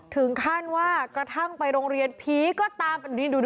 ถึงขั้นว่ากระทั่งไปโรงเรียนผีก็ตาม